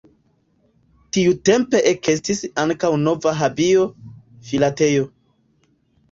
Tiutempe ekestis ankaŭ nova hobio: Filatelo.